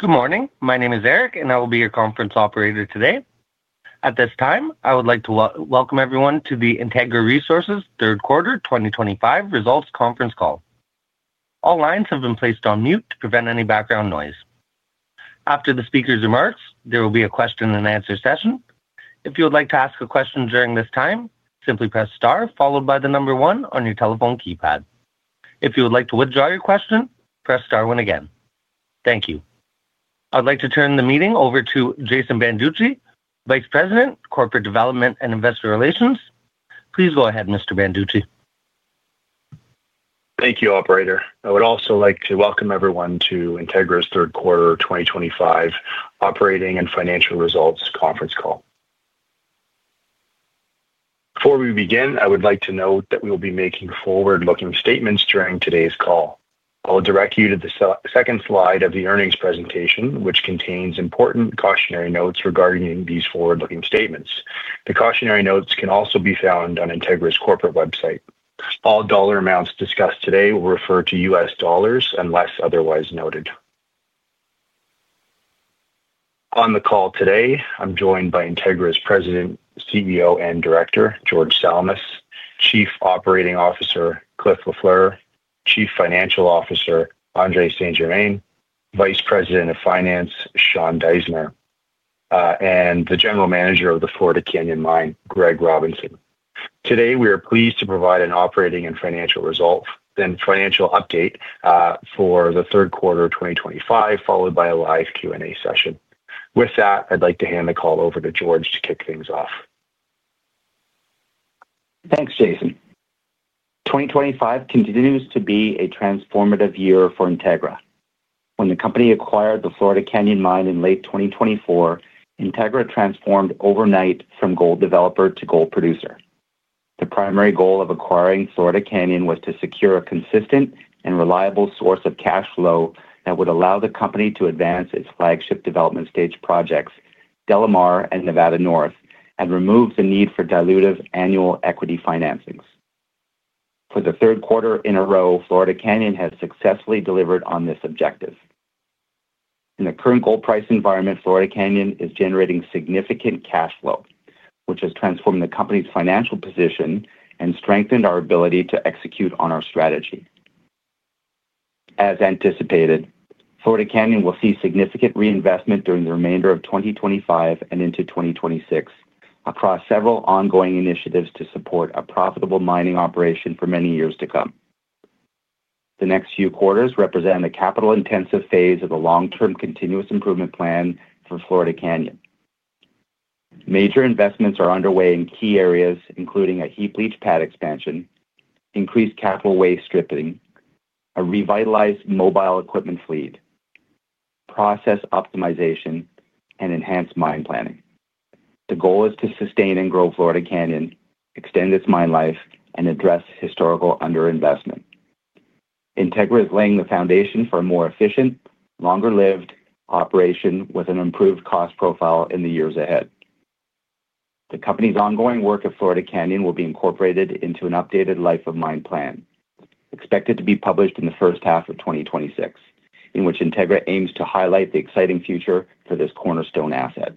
Good morning. My name is Eric, and I will be your conference operator today. At this time, I would like to welcome everyone to the Integra Resources third quarter 2025 results conference call. All lines have been placed on mute to prevent any background noise. After the speaker's remarks, there will be a question-and-answer session. If you would like to ask a question during this time, simply press star followed by the number one on your telephone keypad. If you would like to withdraw your question, press star one again. Thank you. I'd like to turn the meeting over to Jason Banducci, Vice President, Corporate Development and Investor Relations. Please go ahead, Mr. Banducci. Thank you, Operator. I would also like to welcome everyone to Integra Resources' third quarter 2025 operating and financial results conference call. Before we begin, I would like to note that we will be making forward-looking statements during today's call. I'll direct you to the second slide of the earnings presentation, which contains important cautionary notes regarding these forward-looking statements. The cautionary notes can also be found on Integra Resources' corporate website. All dollar amounts discussed today will refer to U.S. dollars unless otherwise noted. On the call today, I'm joined by Integra Resources' President, CEO, and Director, George Salamis, Chief Operating Officer, Clifford Lafleur, Chief Financial Officer, Andrée Saint-Germain, Vice President of Finance, Sean Deissner, and the General Manager of the Florida Canyon Mine, Greg Robinson. Today, we are pleased to provide an operating and financial result and financial update for the third quarter of 2025, followed by a live Q&A session. With that, I'd like to hand the call over to George to kick things off. Thanks, Jason. 2025 continues to be a transformative year for Integra. When the company acquired the Florida Canyon Mine in late 2024, Integra transformed overnight from gold developer to gold producer. The primary goal of acquiring Florida Canyon was to secure a consistent and reliable source of cash flow that would allow the company to advance its flagship development stage projects, Delamar and Nevada North, and remove the need for dilutive annual equity financings. For the third quarter in a row, Florida Canyon has successfully delivered on this objective. In the current gold price environment, Florida Canyon is generating significant cash flow, which has transformed the company's financial position and strengthened our ability to execute on our strategy. As anticipated, Florida Canyon will see significant reinvestment during the remainder of 2025 and into 2026 across several ongoing initiatives to support a profitable mining operation for many years to come. The next few quarters represent a capital-intensive phase of the long-term continuous improvement plan for Florida Canyon. Major investments are underway in key areas, including a heap leach pad expansion, increased capital waste stripping, a revitalized mobile equipment fleet, process optimization, and enhanced mine planning. The goal is to sustain and grow Florida Canyon, extend its mine life, and address historical underinvestment. Integra is laying the foundation for a more efficient, longer-lived operation with an improved cost profile in the years ahead. The company's ongoing work at Florida Canyon will be incorporated into an updated life of mine plan, expected to be published in the first half of 2026, in which Integra aims to highlight the exciting future for this cornerstone asset.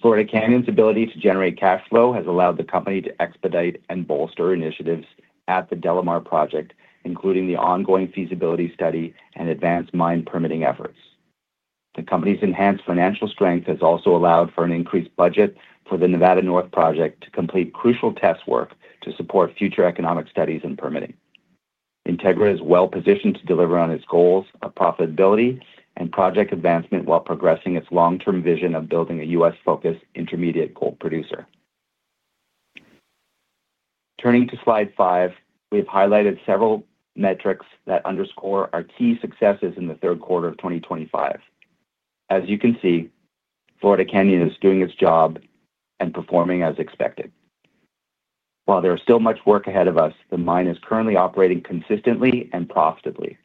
Florida Canyon's ability to generate cash flow has allowed the company to expedite and bolster initiatives at the DeLamar Project, including the ongoing feasibility study and advanced mine permitting efforts. The company's enhanced financial strength has also allowed for an increased budget for the Nevada North Project to complete crucial test work to support future economic studies and permitting. Integra is well-positioned to deliver on its goals of profitability and project advancement while progressing its long-term vision of building a U.S.-focused intermediate gold producer. Turning to slide five, we have highlighted several metrics that underscore our key successes in the third quarter of 2025. As you can see, Florida Canyon is doing its job and performing as expected. While there is still much work ahead of us, the mine is currently operating consistently and profitably,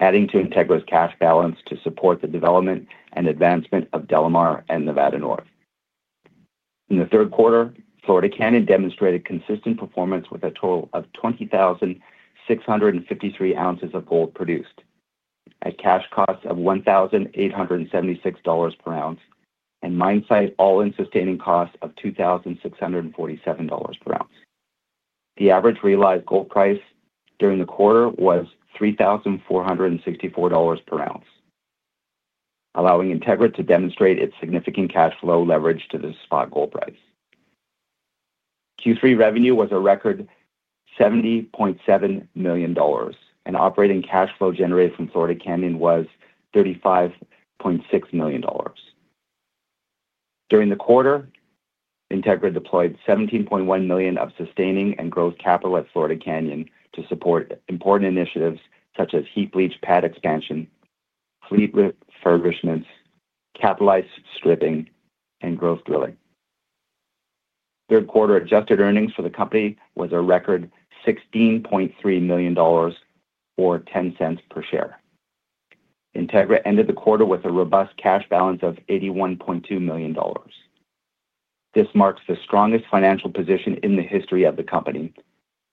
adding to Integra's cash balance to support the development and advancement of DeLamar and Nevada North. In the third quarter, Florida Canyon demonstrated consistent performance with a total of 20,653 ounces of gold produced, a cash cost of $1,876 per ounce, and mine site all-in sustaining cost of $2,647 per ounce. The average realized gold price during the quarter was $3,464 per ounce, allowing Integra to demonstrate its significant cash flow leverage to the spot gold price. Q3 revenue was a record $70.7 million, and operating cash flow generated from Florida Canyon was $35.6 million. During the quarter, Integra deployed $17.1 million of sustaining and growth capital at Florida Canyon to support important initiatives such as heap leach pad expansion, fleet refurbishments, capitalized stripping, and growth drilling. Third quarter adjusted earnings for the company was a record $16.3 million or $0.10 per share. Integra ended the quarter with a robust cash balance of $81.2 million. This marks the strongest financial position in the history of the company,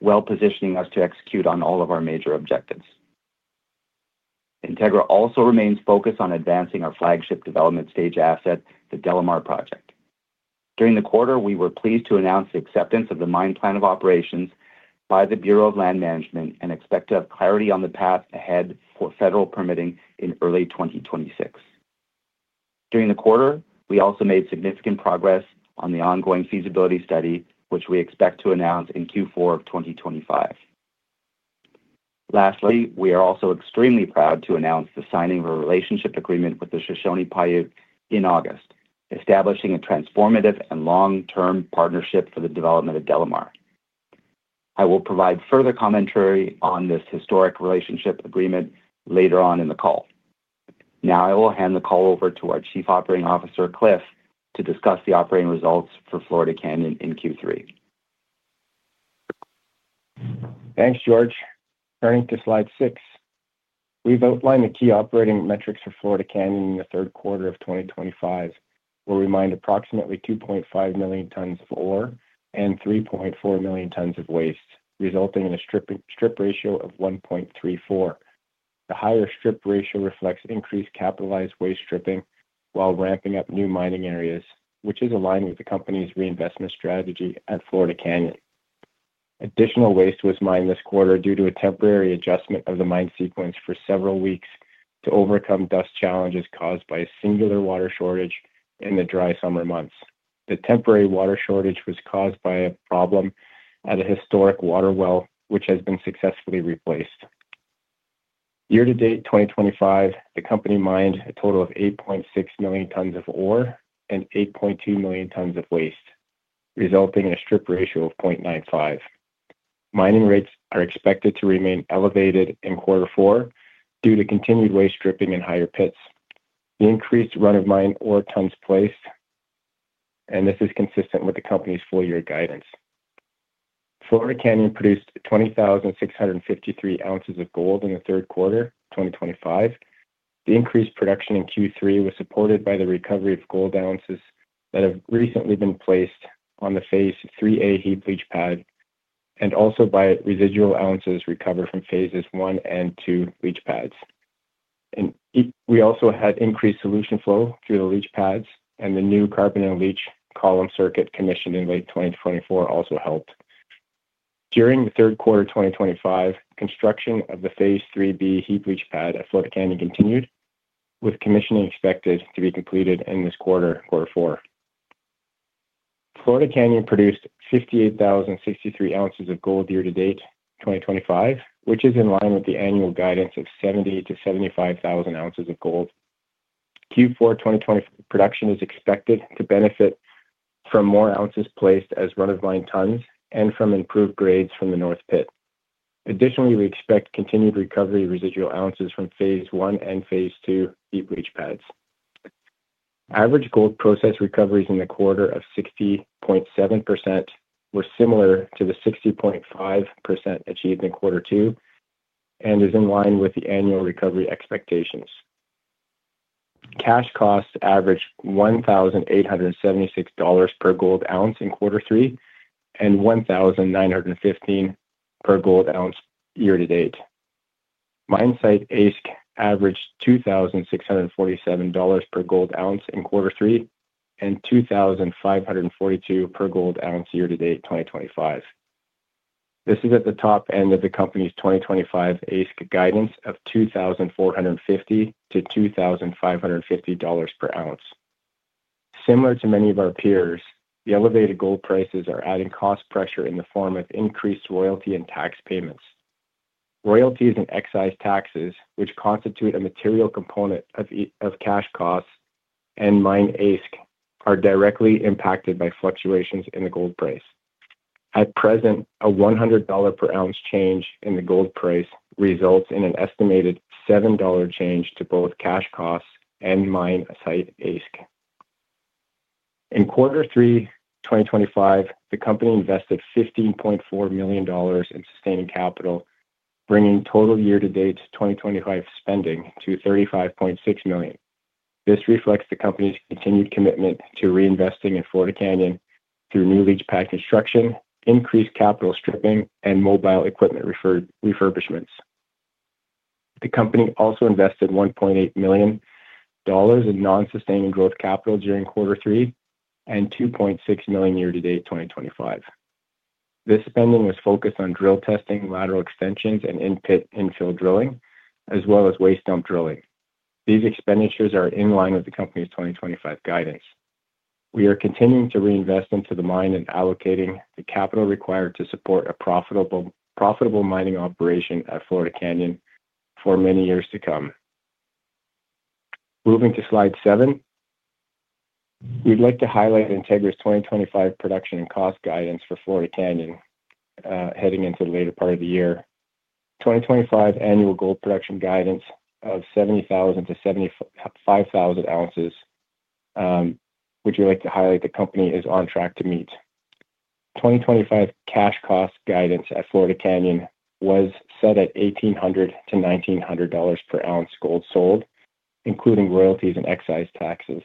well-positioning us to execute on all of our major objectives. Integra also remains focused on advancing our flagship development stage asset, the DeLamar Project. During the quarter, we were pleased to announce the acceptance of the mine plan of operations by the Bureau of Land Management and expect to have clarity on the path ahead for federal permitting in early 2026. During the quarter, we also made significant progress on the ongoing feasibility study, which we expect to announce in Q4 2025. Lastly, we are also extremely proud to announce the signing of a relationship agreement with the Shoshone-Paiute in August, establishing a transformative and long-term partnership for the development of Delamar. I will provide further commentary on this historic relationship agreement later on in the call. Now, I will hand the call over to our Chief Operating Officer, Cliff, to discuss the operating results for Florida Canyon in Q3. Thanks, George. Turning to slide six, we've outlined the key operating metrics for Florida Canyon in the third quarter of 2025. We'll remind approximately 2.5 million tons of ore and 3.4 million tons of waste, resulting in a strip ratio of 1.34. The higher strip ratio reflects increased capitalized waste stripping while ramping up new mining areas, which is aligned with the company's reinvestment strategy at Florida Canyon. Additional waste was mined this quarter due to a temporary adjustment of the mine sequence for several weeks to overcome dust challenges caused by a singular water shortage in the dry summer months. The temporary water shortage was caused by a problem at a historic water well, which has been successfully replaced. Year-to-date 2025, the company mined a total of 8.6 million tons of ore and 8.2 million tons of waste, resulting in a strip ratio of 0.95. Mining rates are expected to remain elevated in quarter four due to continued waste stripping in higher pits. The increased run-of-mine ore tons placed, and this is consistent with the company's full-year guidance. Florida Canyon produced 20,653 ounces of gold in the third quarter 2025. The increased production in Q3 was supported by the recovery of gold ounces that have recently been placed on the phase III-A heap leach pad and also by residual ounces recovered from phases I and II leach pads. We also had increased solution flow through the leach pads, and the new carbon and leach column circuit commissioned in late 2024 also helped. During the third quarter 2025, construction of the phase III-B heap leach pad at Florida Canyon continued, with commissioning expected to be completed in this quarter, quarter four. Florida Canyon produced 58,063 ounces of gold year-to-date 2025, which is in line with the annual guidance of 70,000-75,000 ounces of gold. Q4 2025 production is expected to benefit from more ounces placed as run-of-mine tons and from improved grades from the North Pit. Additionally, we expect continued recovery of residual ounces from phase I and phase II heap leach pads. Average gold process recoveries in the quarter of 60.7% were similar to the 60.5% achieved in quarter two and is in line with the annual recovery expectations. Cash costs averaged $1,876 per gold ounce in quarter three and $1,915 per gold ounce year-to-date. Mine site AISC averaged $2,647 per gold ounce in quarter three and $2,542 per gold ounce year-to-date 2025. This is at the top end of the company's 2025 AISC guidance of $2,450-$2,550 per ounce. Similar to many of our peers, the elevated gold prices are adding cost pressure in the form of increased royalty and tax payments. Royalty and excise taxes, which constitute a material component of cash costs and mine AISC, are directly impacted by fluctuations in the gold price. At present, a $100 per ounce change in the gold price results in an estimated $7 change to both cash costs and mine site AISC. In quarter three 2025, the company invested $15.4 million in sustaining capital, bringing total year-to-date 2025 spending to $35.6 million. This reflects the company's continued commitment to reinvesting in Florida Canyon through new leach pad construction, increased capital stripping, and mobile equipment refurbishments. The company also invested $1.8 million in non-sustaining growth capital during quarter three and $2.6 million year-to-date 2025. This spending was focused on drill testing, lateral extensions, and in-pit infill drilling, as well as waste dump drilling. These expenditures are in line with the company's 2025 guidance. We are continuing to reinvest into the mine and allocating the capital required to support a profitable mining operation at Florida Canyon for many years to come. Moving to slide seven, we'd like to highlight Integra's 2025 production and cost guidance for Florida Canyon heading into the later part of the year. 2025 annual gold production guidance of 70,000-75,000 ounces, which we'd like to highlight the company is on track to meet. 2025 cash cost guidance at Florida Canyon was set at $1,800-$1,900 per ounce gold sold, including royalties and excise taxes.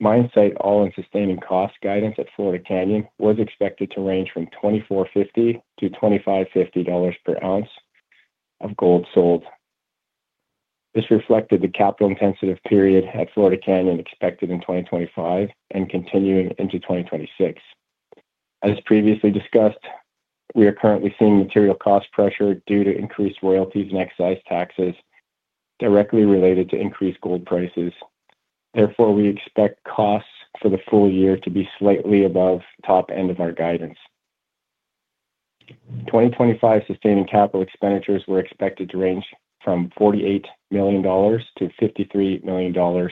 Mine site all-in sustaining cost guidance at Florida Canyon was expected to range from $2,450-$2,550 per ounce of gold sold. This reflected the capital-intensive period at Florida Canyon expected in 2025 and continuing into 2026. As previously discussed, we are currently seeing material cost pressure due to increased royalties and excise taxes directly related to increased gold prices. Therefore, we expect costs for the full year to be slightly above the top end of our guidance. 2025 sustaining capital expenditures were expected to range from $48 million-$53 million,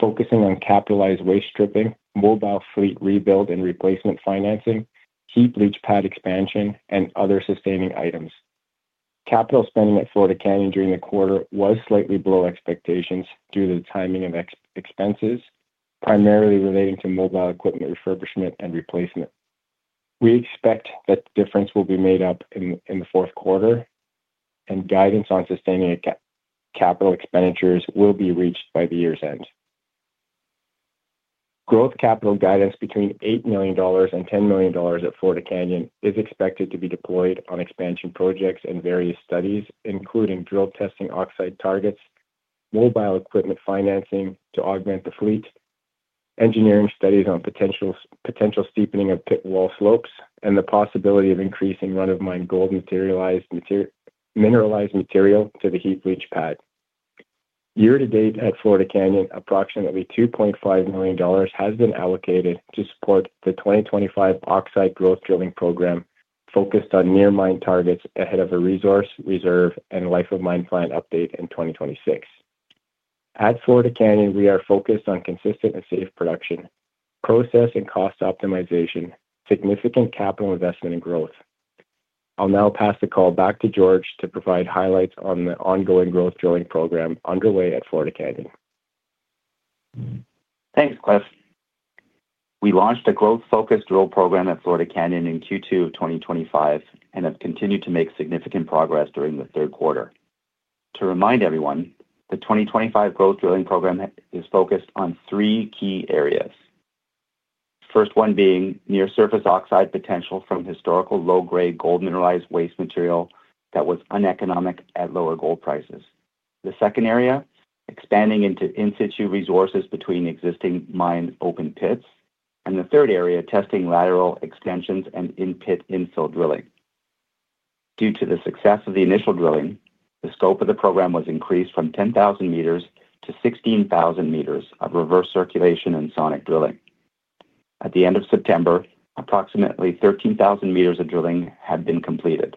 focusing on capitalized waste stripping, mobile fleet rebuild and replacement financing, heap leach pad expansion, and other sustaining items. Capital spending at Florida Canyon during the quarter was slightly below expectations due to the timing of expenses, primarily relating to mobile equipment refurbishment and replacement. We expect that the difference will be made up in the fourth quarter, and guidance on sustaining capital expenditures will be reached by the year's end. Growth capital guidance between $8 million and $10 million at Florida Canyon is expected to be deployed on expansion projects and various studies, including drill testing oxide targets, mobile equipment financing to augment the fleet, engineering studies on potential steepening of pit wall slopes, and the possibility of increasing run-of-mine gold mineralized material to the heap leach pad. Year-to-date at Florida Canyon, approximately $2.5 million has been allocated to support the 2025 oxide growth drilling program focused on near-mine targets ahead of a resource reserve and life-of-mine plan update in 2026. At Florida Canyon, we are focused on consistent and safe production, process and cost optimization, significant capital investment, and growth. I'll now pass the call back to George to provide highlights on the ongoing growth drilling program underway at Florida Canyon. Thanks, Cliff. We launched a growth-focused drill program at Florida Canyon in Q2 of 2025 and have continued to make significant progress during the third quarter. To remind everyone, the 2025 growth drilling program is focused on three key areas. The first one being near-surface oxide potential from historical low-grade gold mineralized waste material that was uneconomic at lower gold prices. The second area, expanding into in-situ resources between existing mine open pits. The third area, testing lateral extensions and in-pit infill drilling. Due to the success of the initial drilling, the scope of the program was increased from 10,000 meters to 16,000 meters of reverse circulation and sonic drilling. At the end of September, approximately 13,000 meters of drilling had been completed.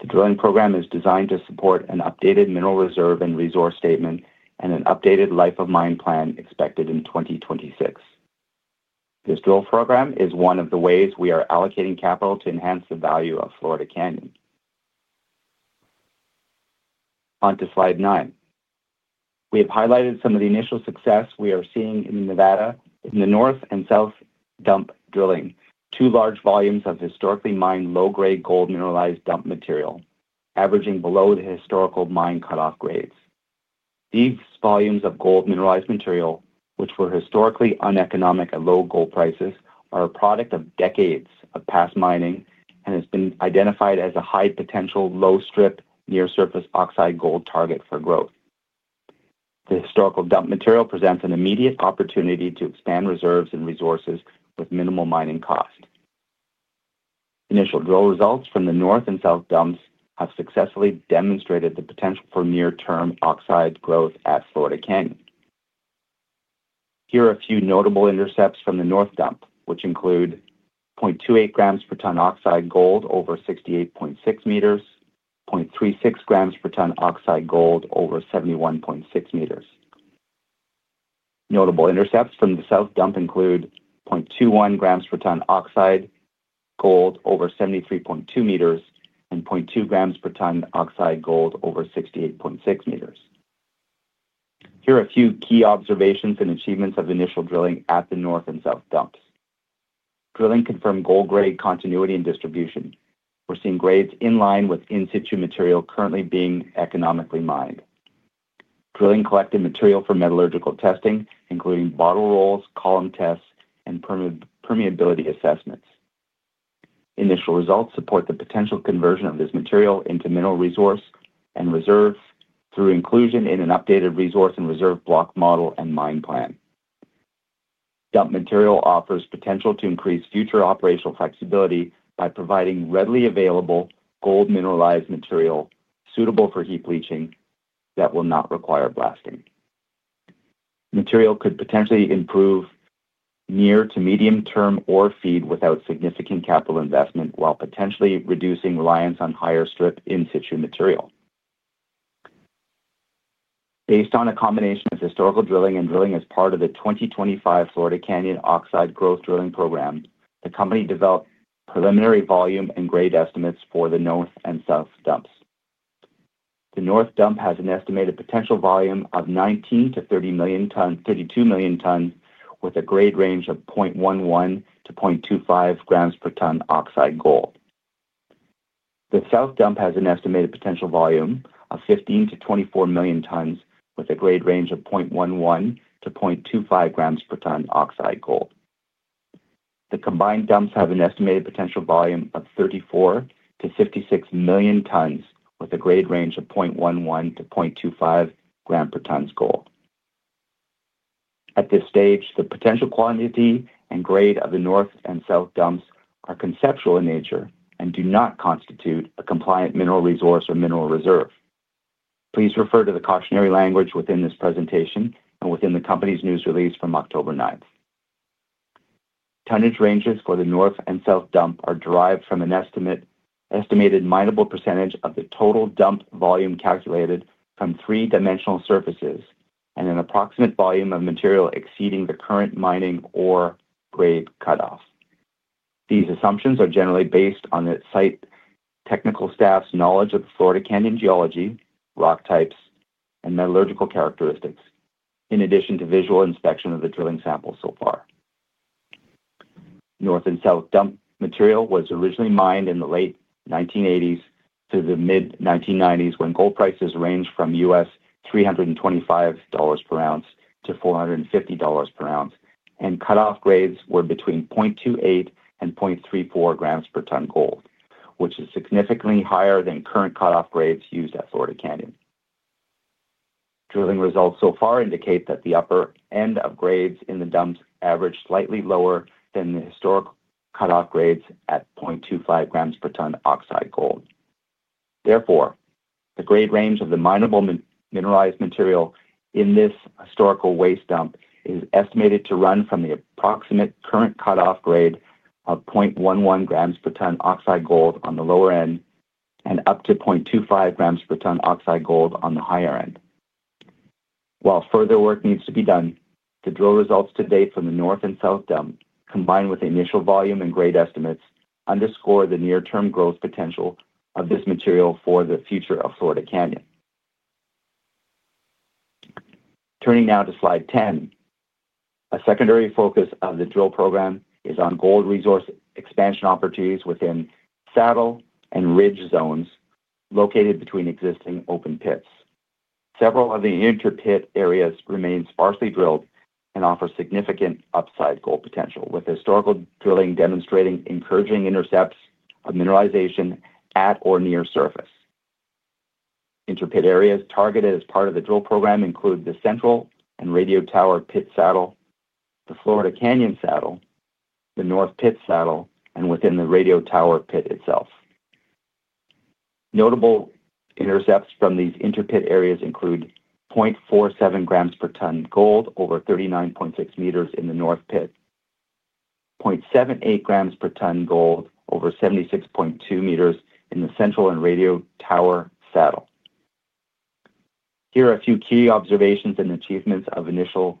The drilling program is designed to support an updated mineral reserve and resource statement and an updated life-of-mine plan expected in 2026. This drill program is one of the ways we are allocating capital to enhance the value of Florida Canyon. On to slide nine. We have highlighted some of the initial success we are seeing in Nevada in the north and south dump drilling, two large volumes of historically mined low-grade gold mineralized dump material averaging below the historical mine cutoff grades. These volumes of gold mineralized material, which were historically uneconomic at low gold prices, are a product of decades of past mining and have been identified as a high-potential low-strip near-surface oxide gold target for growth. The historical dump material presents an immediate opportunity to expand reserves and resources with minimal mining cost. Initial drill results from the north and south dumps have successfully demonstrated the potential for near-term oxide growth at Florida Canyon. Here are a few notable intercepts from the north dump, which include 0.28 grams per ton oxide gold over 68.6 meters, 0.36 grams per ton oxide gold over 71.6 meters. Notable intercepts from the south dump include 0.21 grams per ton oxide gold over 73.2 meters and 0.2 grams per ton oxide gold over 68.6 meters. Here are a few key observations and achievements of initial drilling at the north and south dumps. Drilling confirmed gold grade continuity and distribution. We're seeing grades in line with in-situ material currently being economically mined. Drilling collected material for metallurgical testing, including bottle rolls, column tests, and permeability assessments. Initial results support the potential conversion of this material into mineral resource and reserves through inclusion in an updated resource and reserve block model and mine plan. Dump material offers potential to increase future operational flexibility by providing readily available gold mineralized material suitable for heap leaching that will not require blasting. Material could potentially improve near to medium-term ore feed without significant capital investment while potentially reducing reliance on higher strip in-situ material. Based on a combination of historical drilling and drilling as part of the 2025 Florida Canyon Oxide growth drilling program, the company developed preliminary volume and grade estimates for the north and south dumps. The north dump has an estimated potential volume of 19-32 million tons, with a grade range of 0.11-0.25 grams per ton oxide gold. The south dump has an estimated potential volume of 15-24 million tons, with a grade range of 0.11-0.25 grams per ton oxide gold. The combined dumps have an estimated potential volume of 34-56 million tons, with a grade range of 0.11-0.25 gram per ton gold. At this stage, the potential quantity and grade of the north and south dumps are conceptual in nature and do not constitute a compliant mineral resource or mineral reserve. Please refer to the cautionary language within this presentation and within the company's news release from October 9th. Tonnage ranges for the north and south dump are derived from an estimated minable percentage of the total dump volume calculated from three-dimensional surfaces and an approximate volume of material exceeding the current mining or grade cutoff. These assumptions are generally based on the site technical staff's knowledge of Florida Canyon geology, rock types, and metallurgical characteristics, in addition to visual inspection of the drilling sample so far. North and south dump material was originally mined in the late 1980s to the mid-1990s when gold prices ranged from $325 per ounce to $450 per ounce, and cutoff grades were between 0.28 and 0.34 grams per ton gold, which is significantly higher than current cutoff grades used at Florida Canyon. Drilling results so far indicate that the upper end of grades in the dumps averaged slightly lower than the historical cutoff grades at 0.25 grams per ton oxide gold. Therefore, the grade range of the minable mineralized material in this historical waste dump is estimated to run from the approximate current cutoff grade of 0.11 grams per ton oxide gold on the lower end and up to 0.25 grams per ton oxide gold on the higher end. While further work needs to be done, the drill results to date from the north and south dump, combined with initial volume and grade estimates, underscore the near-term growth potential of this material for the future of Florida Canyon. Turning now to slide 10, a secondary focus of the drill program is on gold resource expansion opportunities within saddle and ridge zones located between existing open pits. Several of the interpit areas remain sparsely drilled and offer significant upside gold potential, with historical drilling demonstrating encouraging intercepts of mineralization at or near surface. Interpit areas targeted as part of the drill program include the central and radio tower pit saddle, the Florida Canyon saddle, the north pit saddle, and within the radio tower pit itself. Notable intercepts from these interpit areas include 0.47 grams per ton gold over 39.6 meters in the north pit, 0.78 grams per ton gold over 76.2 meters in the central and radio tower saddle. Here are a few key observations and achievements of initial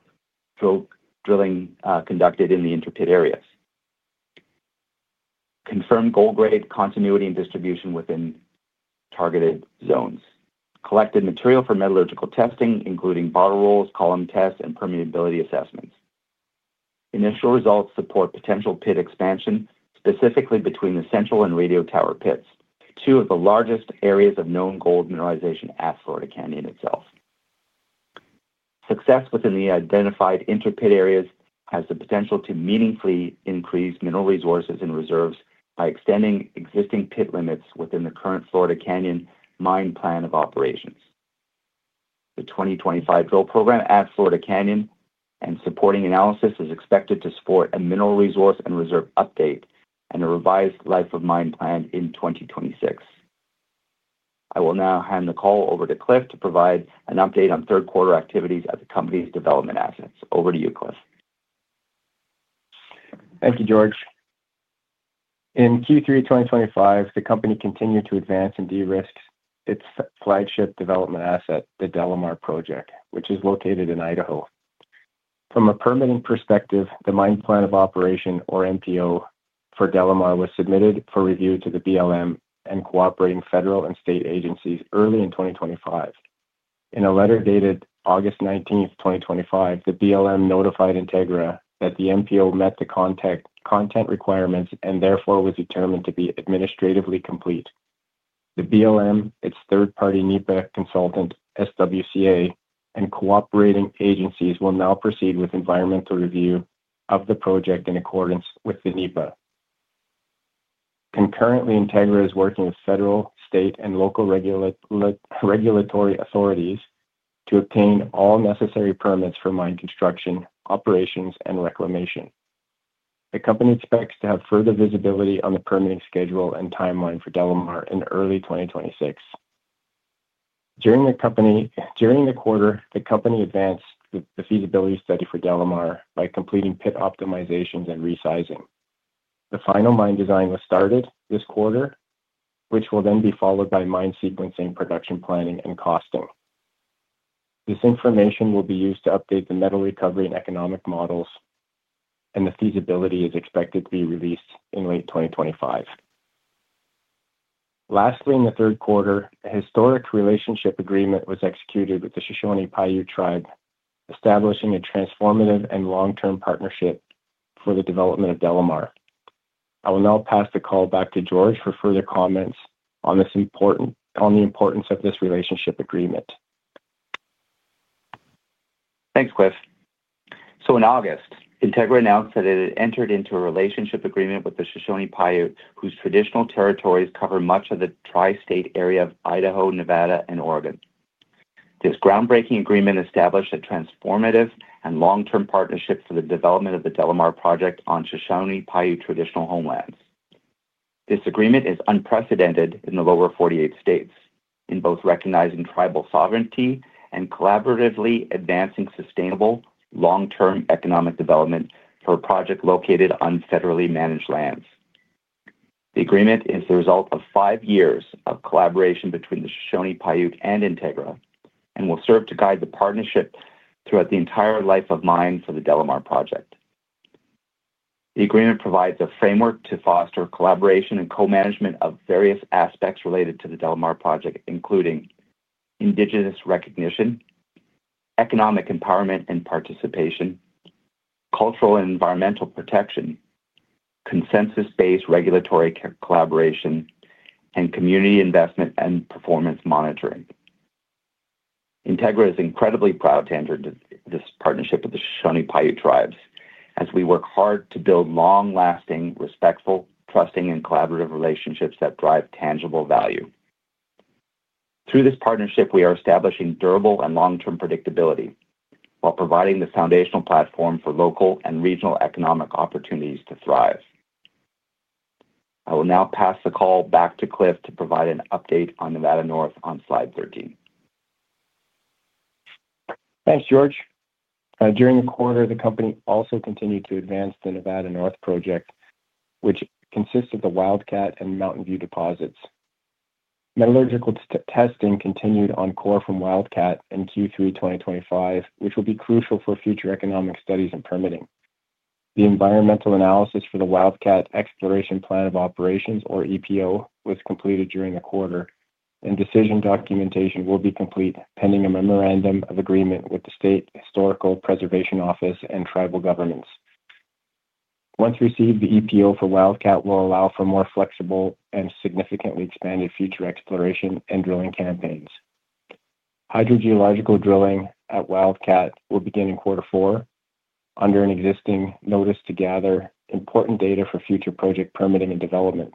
drilling conducted in the interpit areas. Confirmed gold grade continuity and distribution within targeted zones. Collected material for metallurgical testing, including bottle rolls, column tests, and permeability assessments. Initial results support potential pit expansion, specifically between the central and radio tower pits, two of the largest areas of known gold mineralization at Florida Canyon itself. Success within the identified interpit areas has the potential to meaningfully increase mineral resources and reserves by extending existing pit limits within the current Florida Canyon mine plan of operations. The 2025 drill program at Florida Canyon and supporting analysis is expected to support a mineral resource and reserve update and a revised life-of-mine plan in 2026. I will now hand the call over to Cliff to provide an update on third-quarter activities at the company's development assets. Over to you, Cliff. Thank you, George. In Q3 2025, the company continued to advance and de-risk its flagship development asset, the DeLamar Project, which is located in Idaho. From a permitting perspective, the mine plan of operation, or MPO, for Delamar was submitted for review to the BLM and cooperating federal and state agencies early in 2025. In a letter dated August 19th, 2025, the BLM notified Integra that the MPO met the content requirements and therefore was determined to be administratively complete. The BLM, its third-party NEPA consultant, SWCA, and cooperating agencies will now proceed with environmental review of the project in accordance with the NEPA. Concurrently, Integra is working with federal, state, and local regulatory authorities to obtain all necessary permits for mine construction, operations, and reclamation. The company expects to have further visibility on the permitting schedule and timeline for DeLamar in early 2026. During the quarter, the company advanced the feasibility study for DeLamar by completing pit optimizations and resizing. The final mine design was started this quarter, which will then be followed by mine sequencing, production planning, and costing. This information will be used to update the metal recovery and economic models, and the feasibility is expected to be released in late 2025. Lastly, in the third quarter, a historic relationship agreement was executed with the Shoshone-Paiute Tribe, establishing a transformative and long-term partnership for the development of DeLamar. I will now pass the call back to George for further comments on the importance of this relationship agreement. Thanks, Cliff. In August, Integra announced that it had entered into a relationship agreement with the Shoshone-Paiute, whose traditional territories cover much of the tri-state area of Idaho, Nevada, and Oregon. This groundbreaking agreement established a transformative and long-term partnership for the development of the DeLamar Project on Shoshone-Paiute traditional homelands. This agreement is unprecedented in the lower 48 states, in both recognizing tribal sovereignty and collaboratively advancing sustainable long-term economic development for a project located on federally managed lands. The agreement is the result of five years of collaboration between the Shoshone-Paiute and Integra and will serve to guide the partnership throughout the entire life of mine for the DeLamar Project. The agreement provides a framework to foster collaboration and co-management of various aspects related to the DeLamar Project, including indigenous recognition, economic empowerment and participation, cultural and environmental protection, consensus-based regulatory collaboration, and community investment and performance monitoring. Integra is incredibly proud to enter this partnership with the Shoshone-Paiute Tribes as we work hard to build long-lasting, respectful, trusting, and collaborative relationships that drive tangible value. Through this partnership, we are establishing durable and long-term predictability while providing the foundational platform for local and regional economic opportunities to thrive. I will now pass the call back to Cliff to provide an update on Nevada North on slide 13. Thanks, George. During the quarter, the company also continued to advance the Nevada North Project, which consists of the Wildcat and Mountain View deposits. Metallurgical testing continued on core from Wildcat in Q3 2025, which will be crucial for future economic studies and permitting. The environmental analysis for the Wildcat Exploration Plan of Operations, or EPO, was completed during the quarter, and decision documentation will be complete pending a memorandum of agreement with the State Historical Preservation Office and tribal governments. Once received, the EPO for Wildcat will allow for more flexible and significantly expanded future exploration and drilling campaigns. Hydrogeological drilling at Wildcat will begin in quarter four under an existing notice to gather important data for future project permitting and development.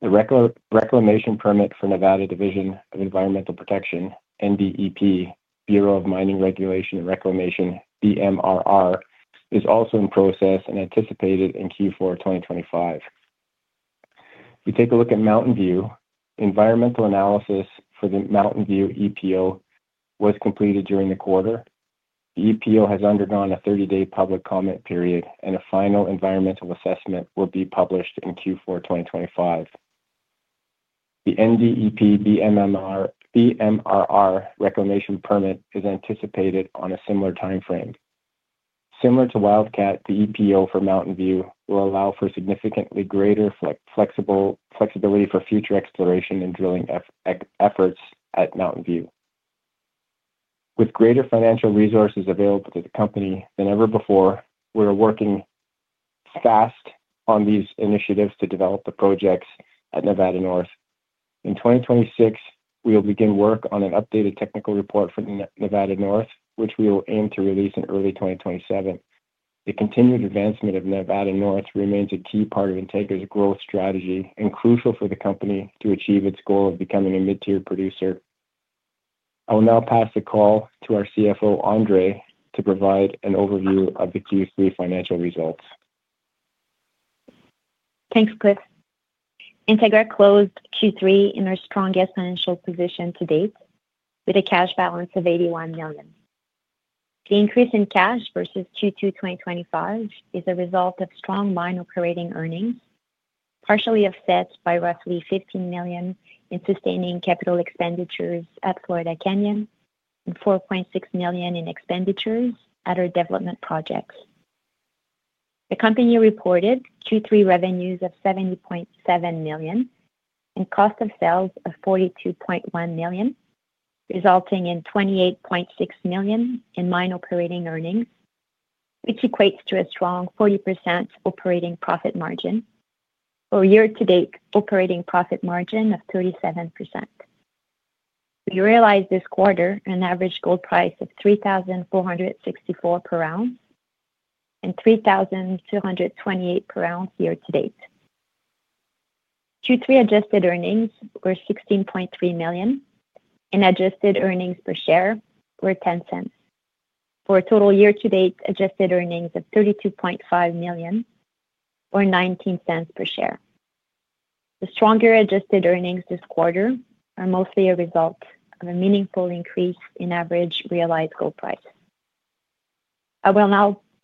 The Reclamation Permit for Nevada Division of Environmental Protection, NDEP, Bureau of Mining Regulation and Reclamation, BMRR, is also in process and anticipated in Q4 2025. We take a look at Mountain View. Environmental analysis for the Mountain View EPO was completed during the quarter. The EPO has undergone a 30-day public comment period, and a final environmental assessment will be published in Q4 2025. The NDEP, BMRR, Reclamation Permit is anticipated on a similar timeframe. Similar to Wildcat, the EPO for Mountain View will allow for significantly greater flexibility for future exploration and drilling efforts at Mountain View. With greater financial resources available to the company than ever before, we are working fast on these initiatives to develop the projects at Nevada North. In 2026, we will begin work on an updated technical report for Nevada North, which we will aim to release in early 2027. The continued advancement of Nevada North remains a key part of Integra's growth strategy and crucial for the company to achieve its goal of becoming a mid-tier producer. I will now pass the call to our CFO, Andrée, to provide an overview of the Q3 financial results. Thanks, Cliff. Integra closed Q3 in our strongest financial position to date, with a cash balance of $81 million. The increase in cash versus Q2 2025 is a result of strong mine operating earnings, partially offset by roughly $15 million in sustaining capital expenditures at Florida Canyon and $4.6 million in expenditures at our development projects. The company reported Q3 revenues of $70.7 million and cost of sales of $42.1 million, resulting in $28.6 million in mine operating earnings, which equates to a strong 40% operating profit margin or year-to-date operating profit margin of 37%. We realized this quarter an average gold price of $3,464 per ounce and $3,228 per ounce year-to-date. Q3 adjusted earnings were $16.3 million, and adjusted earnings per share were $0.10, for a total year-to-date adjusted earnings of $32.5 million or $0.19 per share. The stronger adjusted earnings this quarter are mostly a result of a meaningful increase in average realized gold price. I will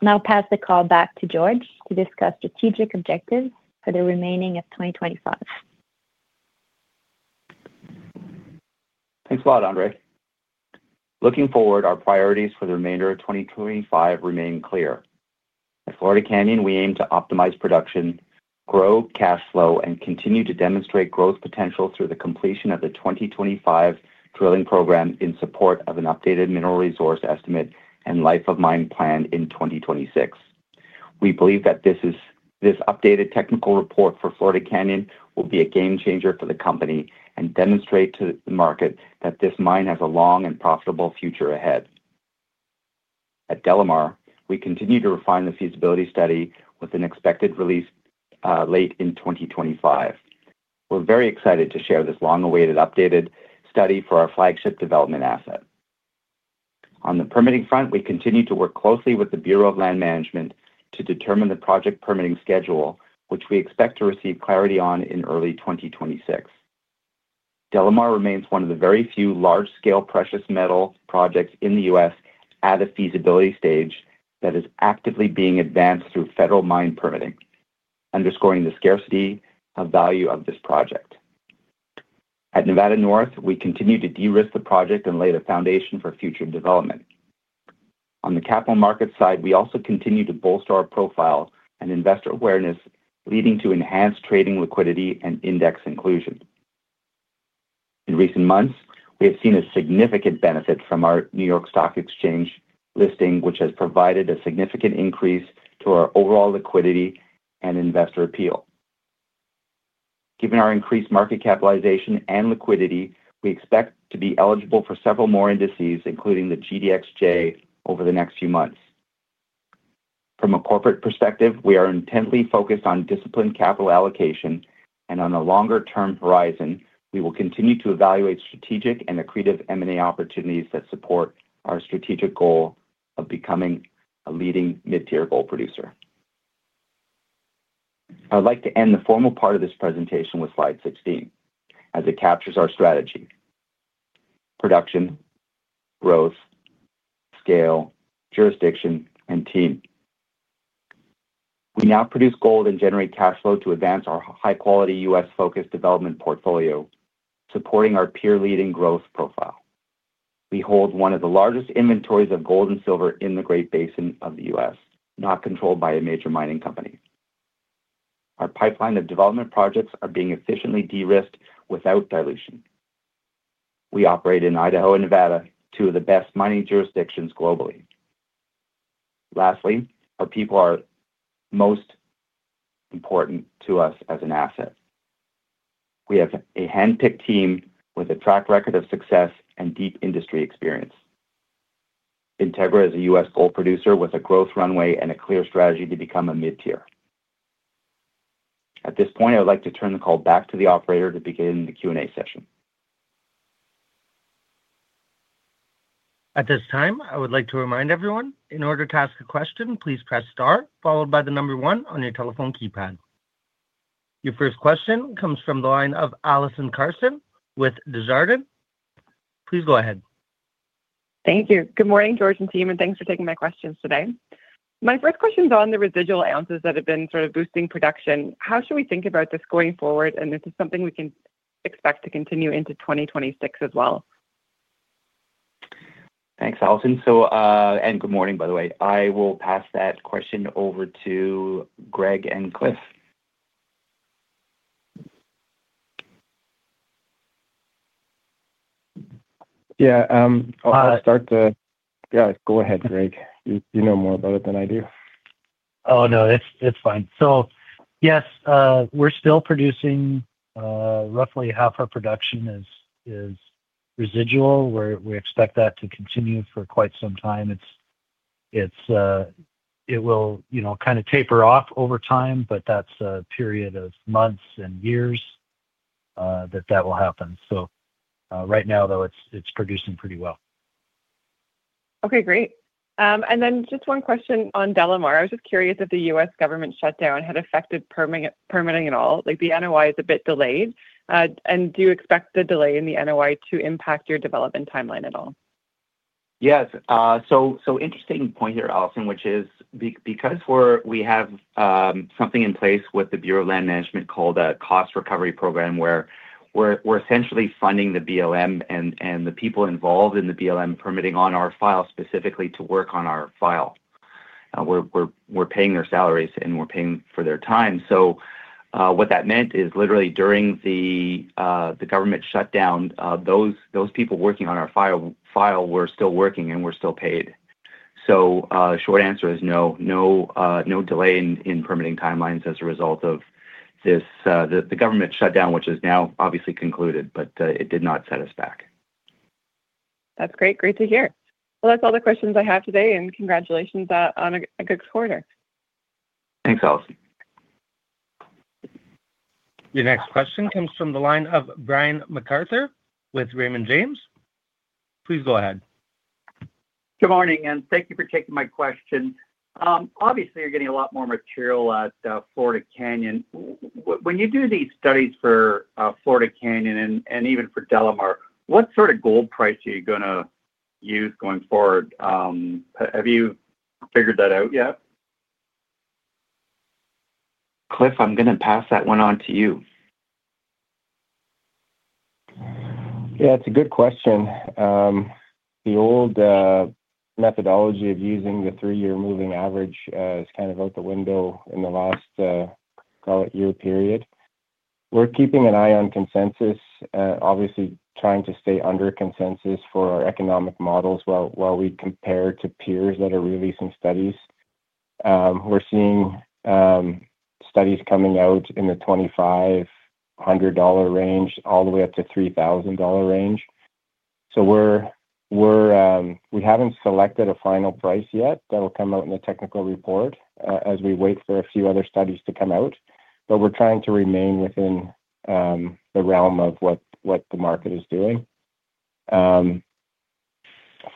now pass the call back to George to discuss strategic objectives for the remaining of 2025. Thanks a lot, Andrée. Looking forward, our priorities for the remainder of 2025 remain clear. At Florida Canyon, we aim to optimize production, grow cash flow, and continue to demonstrate growth potential through the completion of the 2025 drilling program in support of an updated mineral resource estimate and life-of-mine plan in 2026. We believe that this updated technical report for Florida Canyon will be a game changer for the company and demonstrate to the market that this mine has a long and profitable future ahead. At DeLamar, we continue to refine the feasibility study with an expected release late in 2025. We're very excited to share this long-awaited updated study for our flagship development asset. On the permitting front, we continue to work closely with the Bureau of Land Management to determine the project permitting schedule, which we expect to receive clarity on in early 2026. DeLamar remains one of the very few large-scale precious metal projects in the U.S. at a feasibility stage that is actively being advanced through federal mine permitting, underscoring the scarcity of value of this project. At Nevada North, we continue to de-risk the project and lay the foundation for future development. On the capital markets side, we also continue to bolster our profile and investor awareness, leading to enhanced trading liquidity and index inclusion. In recent months, we have seen a significant benefit from our New York Stock Exchange listing, which has provided a significant increase to our overall liquidity and investor appeal. Given our increased market capitalization and liquidity, we expect to be eligible for several more indices, including the GDXJ, over the next few months. From a corporate perspective, we are intently focused on disciplined capital allocation, and on a longer-term horizon, we will continue to evaluate strategic and accretive M&A opportunities that support our strategic goal of becoming a leading mid-tier gold producer. I would like to end the formal part of this presentation with slide 16, as it captures our strategy: production, growth, scale, jurisdiction, and team. We now produce gold and generate cash flow to advance our high-quality U.S.-focused development portfolio, supporting our peer-leading growth profile. We hold one of the largest inventories of gold and silver in the Great Basin of the U.S., not controlled by a major mining company. Our pipeline of development projects is being efficiently de-risked without dilution. We operate in Idaho and Nevada, two of the best mining jurisdictions globally. Lastly, our people are most important to us as an asset. We have a handpicked team with a track record of success and deep industry experience. Integra is a U.S. gold producer with a growth runway and a clear strategy to become a mid-tier. At this point, I would like to turn the call back to the operator to begin the Q&A session. At this time, I would like to remind everyone, in order to ask a question, please press star, followed by the number one on your telephone keypad. Your first question comes from the line of Allison Carson with Desjardins. Please go ahead. Thank you. Good morning, George and team, and thanks for taking my questions today. My first question is on the residual ounces that have been sort of boosting production. How should we think about this going forward? Is this something we can expect to continue into 2026 as well? Thanks, Allison. Good morning, by the way. I will pass that question over to Greg and Cliff. Yeah. I'll start the—yeah, go ahead, Greg. You know more about it than I do. Oh, no, it's fine. Yes, we're still producing. Roughly half our production is residual. We expect that to continue for quite some time. It will kind of taper off over time, but that's a period of months and years that that will happen. Right now, though, it's producing pretty well. Okay, great. Then just one question on DeLamar. I was just curious if the U.S. government shutdown had affected permitting at all. The NOI is a bit delayed. Do you expect the delay in the NOI to impact your development timeline at all? Yes. Interesting point here, Allison, which is because we have something in place with the Bureau of Land Management called a cost recovery program, where we're essentially funding the BLM and the people involved in the BLM permitting on our file specifically to work on our file. We're paying their salaries, and we're paying for their time. What that meant is literally during the government shutdown, those people working on our file were still working, and were still paid. Short answer is no, no delay in permitting timelines as a result of the government shutdown, which has now obviously concluded, but it did not set us back. That's great. Great to hear. That's all the questions I have today, and congratulations on a good quarter. Thanks, Allison. Your next question comes from the line of Brian MacArthur with Raymond James. Please go ahead. Good morning, and thank you for taking my question. Obviously, you're getting a lot more material at Florida Canyon. When you do these studies for Florida Canyon and even for DeLamar, what sort of gold price are you going to use going forward? Have you figured that out yet? Cliff, I'm going to pass that one on to you. Yeah, it's a good question. The old methodology of using the three-year moving average is kind of out the window in the last, call it, year period. We're keeping an eye on consensus, obviously trying to stay under consensus for our economic models while we compare to peers that are releasing studies. We're seeing studies coming out in the $2,500 range all the way up to $3,000 range. We haven't selected a final price yet that will come out in the technical report as we wait for a few other studies to come out. We're trying to remain within the realm of what the market is doing.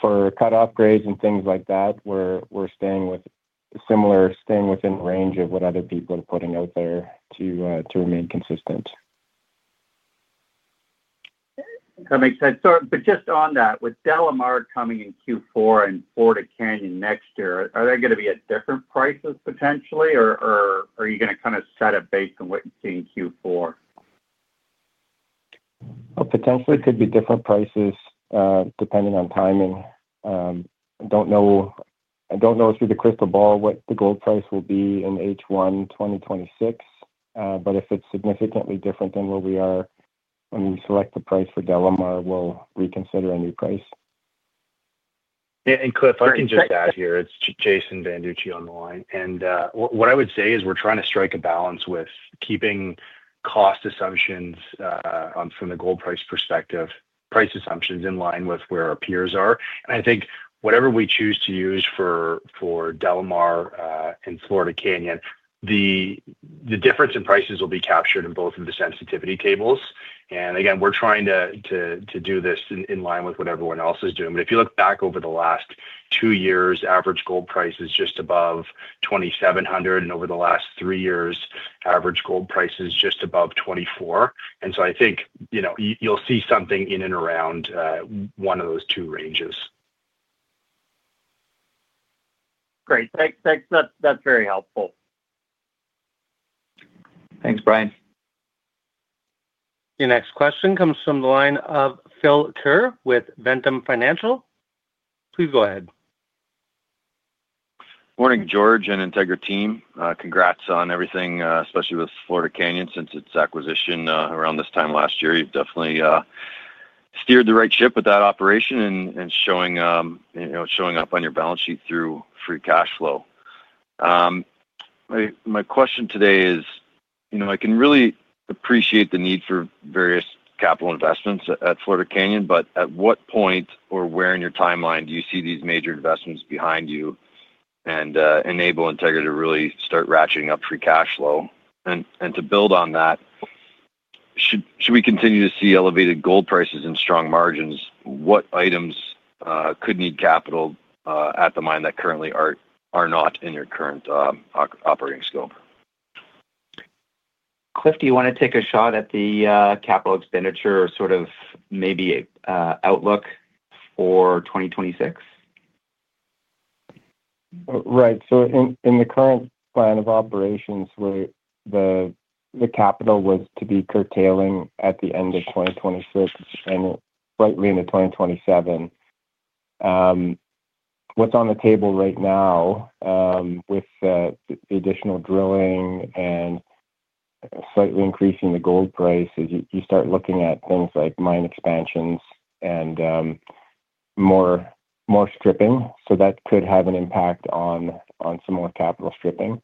For cut-off grades and things like that, we're staying within the range of what other people are putting out there to remain consistent. That makes sense. Just on that, with DeLamar coming in Q4 and Florida Canyon next year, are there going to be different prices potentially, or are you going to kind of set it based on what you see in Q4? Potentially could be different prices depending on timing. I do not know through the crystal ball what the gold price will be in H1 2026, but if it is significantly different than where we are when we select the price for DeLamar, we will reconsider a new price. Cliff, I can just add here, it's Jason Banducci on the line. What I would say is we're trying to strike a balance with keeping cost assumptions from the gold price perspective, price assumptions in line with where our peers are. I think whatever we choose to use for DeLamar and Florida Canyon, the difference in prices will be captured in both of the sensitivity tables. Again, we're trying to do this in line with what everyone else is doing. If you look back over the last two years, average gold price is just above $2,700, and over the last three years, average gold price is just above $2,400. I think you'll see something in and around one of those two ranges. Great. Thanks. That's very helpful. Thanks, Brian. Your next question comes from the line of Phil Ker with Ventum Financial. Please go ahead. Morning, George and Integra team. Congrats on everything, especially with Florida Canyon since its acquisition around this time last year. You've definitely steered the right ship with that operation and showing up on your balance sheet through free cash flow. My question today is I can really appreciate the need for various capital investments at Florida Canyon, but at what point or where in your timeline do you see these major investments behind you and enable Integra to really start ratcheting up free cash flow? To build on that, should we continue to see elevated gold prices and strong margins, what items could need capital at the mine that currently are not in your current operating scope? Cliff, do you want to take a shot at the capital expenditure or sort of maybe outlook for 2026? Right. In the current plan of operations, the capital was to be curtailing at the end of 2026 and rightly into 2027. What's on the table right now with the additional drilling and slightly increasing the gold price is you start looking at things like mine expansions and more stripping. That could have an impact on some more capital stripping.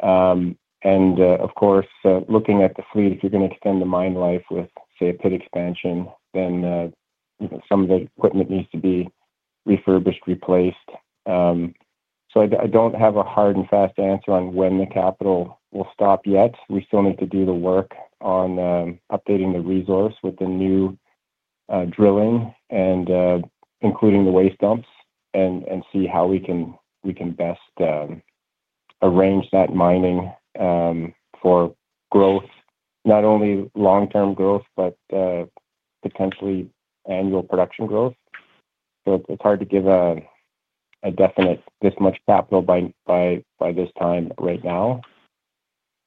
Of course, looking at the fleet, if you're going to extend the mine life with, say, a pit expansion, then some of the equipment needs to be refurbished, replaced. I don't have a hard and fast answer on when the capital will stop yet. We still need to do the work on updating the resource with the new drilling and including the waste dumps and see how we can best arrange that mining for growth, not only long-term growth, but potentially annual production growth. It's hard to give a definite this much capital by this time right now,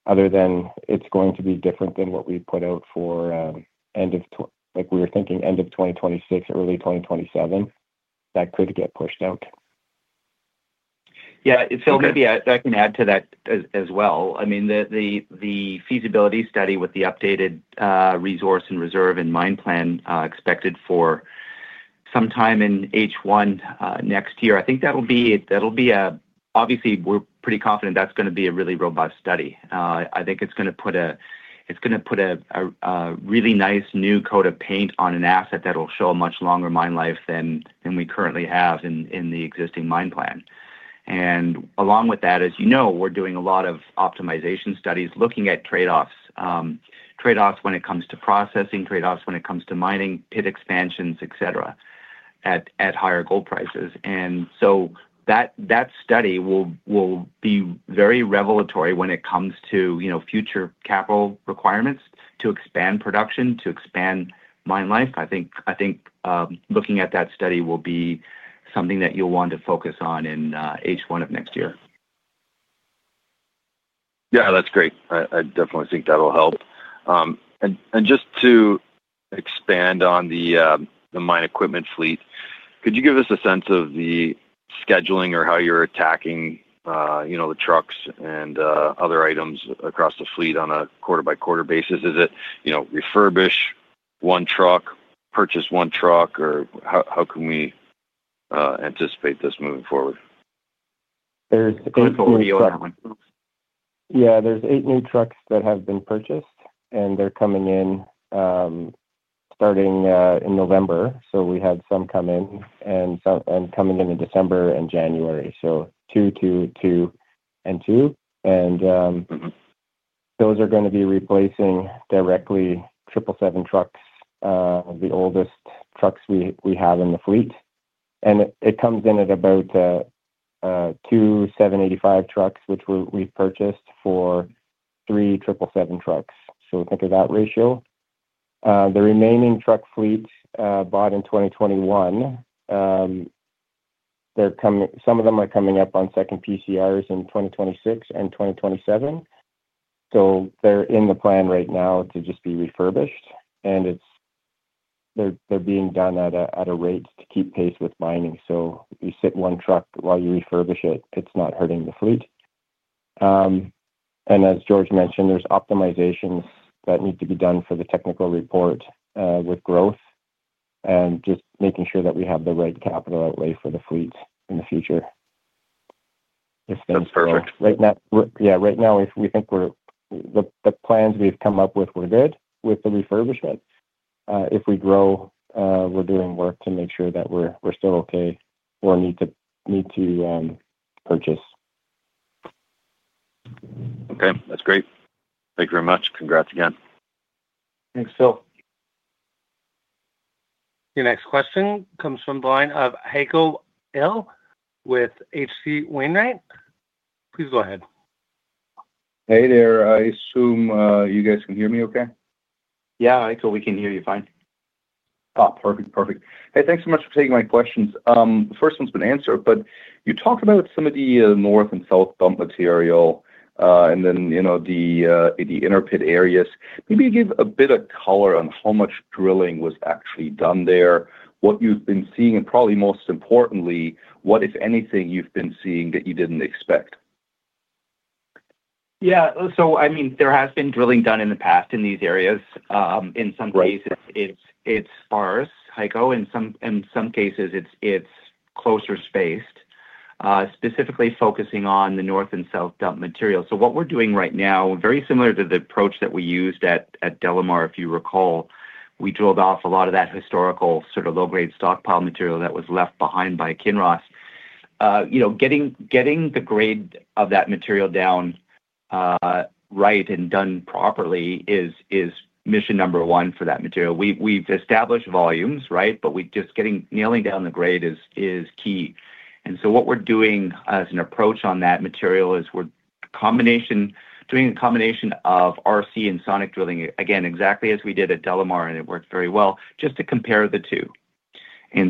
other than it's going to be different than what we put out for end of we were thinking end of 2026, early 2027. That could get pushed out. Yeah. So maybe I can add to that as well. I mean, the feasibility study with the updated resource and reserve and mine plan expected for sometime in H1 next year, I think that'll be, obviously, we're pretty confident that's going to be a really robust study. I think it's going to put a, it's going to put a really nice new coat of paint on an asset that'll show a much longer mine life than we currently have in the existing mine plan. Along with that, as you know, we're doing a lot of optimization studies looking at trade-offs, trade-offs when it comes to processing, trade-offs when it comes to mining, pit expansions, etc., at higher gold prices. That study will be very revelatory when it comes to future capital requirements to expand production, to expand mine life. I think looking at that study will be something that you'll want to focus on in H1 of next year. Yeah, that's great. I definitely think that'll help. Just to expand on the mine equipment fleet, could you give us a sense of the scheduling or how you're attacking the trucks and other items across the fleet on a quarter-by-quarter basis? Is it refurbish one truck, purchase one truck, or how can we anticipate this moving forward? There's eight new trucks. Yeah, there's eight new trucks that have been purchased, and they're coming in starting in November. We had some come in in December and January. Two, two, two, and two. Those are going to be replacing directly 777 trucks, the oldest trucks we have in the fleet. It comes in at about two 785 trucks, which we've purchased for three 777 trucks. Think of that ratio. The remaining truck fleet bought in 2021, some of them are coming up on second PCRs in 2026 and 2027. They're in the plan right now to just be refurbished. They're being done at a rate to keep pace with mining. You sit one truck while you refurbish it, it's not hurting the fleet. As George mentioned, there's optimizations that need to be done for the technical report with growth and just making sure that we have the right capital outlay for the fleet in the future. If things go, that's perfect. Yeah. Right now, we think the plans we've come up with were good with the refurbishment. If we grow, we're doing work to make sure that we're still okay or need to purchase. Okay. That's great. Thank you very much. Congrats again. Thanks, Phil. Your next question comes from the line of Heiko Ihle with H.C. Wainwright. Please go ahead. Hey there. I assume you guys can hear me okay? Yeah, I think we can hear you fine. Perfect. Perfect. Hey, thanks so much for taking my questions. The first one's been answered, but you talked about some of the north and south bump material and then the inner pit areas. Maybe give a bit of color on how much drilling was actually done there, what you've been seeing, and probably most importantly, what, if anything, you've been seeing that you didn't expect. Yeah. I mean, there has been drilling done in the past in these areas. In some cases, it's sparse, Heiko. In some cases, it's closer spaced, specifically focusing on the north and south dump material. What we're doing right now, very similar to the approach that we used at DeLamar, if you recall, we drilled off a lot of that historical sort of low-grade stockpile material that was left behind by Kinross. Getting the grade of that material down right and done properly is mission number one for that material. We've established volumes, right? Just nailing down the grade is key. What we're doing as an approach on that material is we're doing a combination of RC and sonic drilling, again, exactly as we did at DeLamar, and it worked very well, just to compare the two.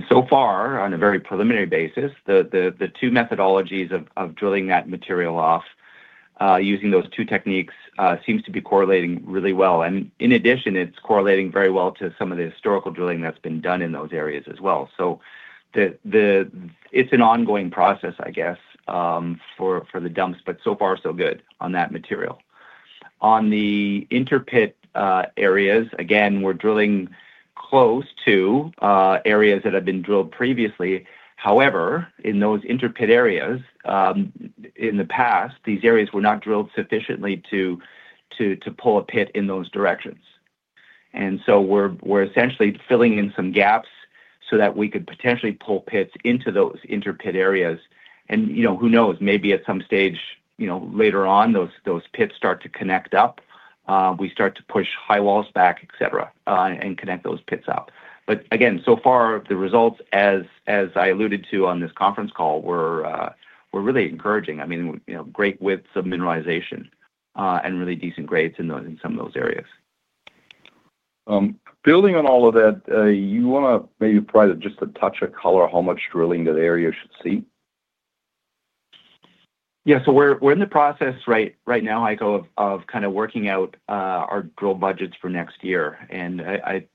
So far, on a very preliminary basis, the two methodologies of drilling that material off using those two techniques seems to be correlating really well. In addition, it's correlating very well to some of the historical drilling that's been done in those areas as well. It's an ongoing process, I guess, for the dumps, but so far, so good on that material. On the interpit areas, again, we're drilling close to areas that have been drilled previously. However, in those interpit areas, in the past, these areas were not drilled sufficiently to pull a pit in those directions. We're essentially filling in some gaps so that we could potentially pull pits into those interpit areas. Who knows, maybe at some stage later on, those pits start to connect up, we start to push high walls back, etc., and connect those pits up. Again, so far, the results, as I alluded to on this conference call, were really encouraging. I mean, great widths of mineralization and really decent grades in some of those areas. Building on all of that, you want to maybe provide just a touch of color on how much drilling that area should see? Yeah. We are in the process right now, Haikel, of kind of working out our drill budgets for next year.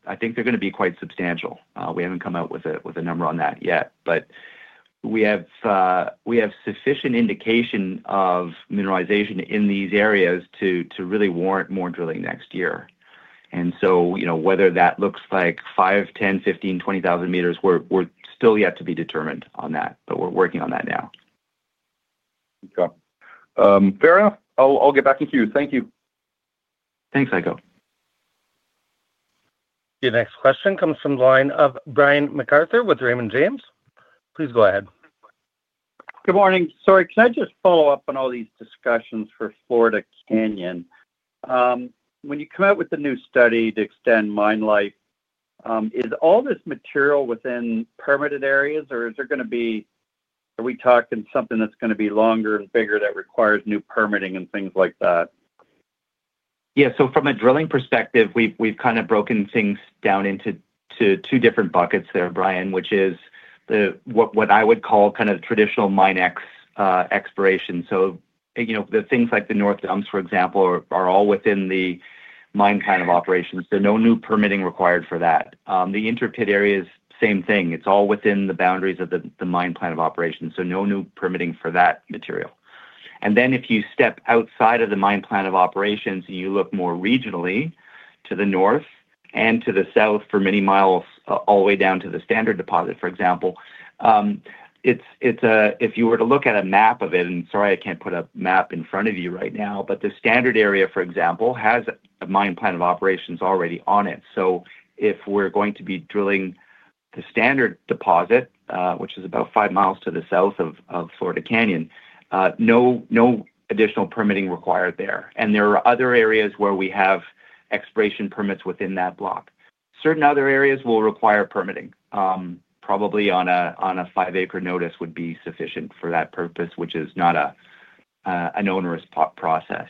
I think they are going to be quite substantial. We have not come out with a number on that yet, but we have sufficient indication of mineralization in these areas to really warrant more drilling next year. Whether that looks like five, 10, 15, 20 thousand meters, we are still yet to be determined on that, but we are working on that now. Okay. Fair enough. I'll get back to you. Thank you. Thanks, Heiko. Your next question comes from the line of Brian MacArthur with Raymond James. Please go ahead. Good morning. Sorry, can I just follow up on all these discussions for Florida Canyon? When you come out with the new study to extend mine life, is all this material within permitted areas, or is there going to be are we talking something that's going to be longer and bigger that requires new permitting and things like that? Yeah. From a drilling perspective, we've kind of broken things down into two different buckets there, Brian, which is what I would call kind of traditional mine X exploration. The things like the north dumps, for example, are all within the mine plan of operations. There's no new permitting required for that. The interpit areas, same thing. It's all within the boundaries of the mine plan of operations. No new permitting for that material. If you step outside of the mine plan of operations and you look more regionally to the north and to the south for many miles all the way down to the Standard deposit, for example, if you were to look at a map of it, and sorry, I can't put a map in front of you right now, but the Standard area, for example, has a mine plan of operations already on it. If we're going to be drilling the Standard deposit, which is about five miles to the south of Florida Canyon, no additional permitting required there. There are other areas where we have exploration permits within that block. Certain other areas will require permitting. Probably on a five-acre notice would be sufficient for that purpose, which is not an onerous process.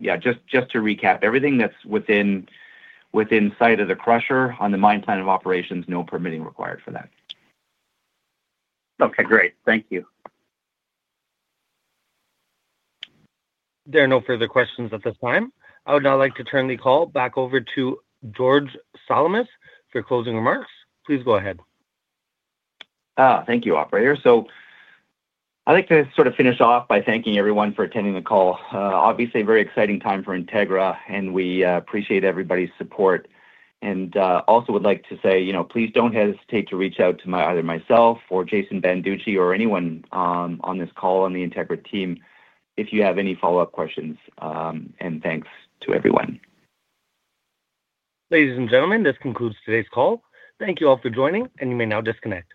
Yeah, just to recap, everything that's within sight of the crusher on the mine plan of operations, no permitting required for that. Okay. Great. Thank you. There are no further questions at this time. I would now like to turn the call back over to George Salamis for closing remarks. Please go ahead. Thank you, operator. I'd like to sort of finish off by thanking everyone for attending the call. Obviously, a very exciting time for Integra Resources, and we appreciate everybody's support. I also would like to say, please do not hesitate to reach out to either myself or Jason Banducci or anyone on this call on the Integra team if you have any follow-up questions. Thanks to everyone. Ladies and gentlemen, this concludes today's call. Thank you all for joining, and you may now disconnect.